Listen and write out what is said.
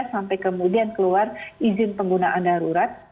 sampai kemudian keluar izin penggunaan darurat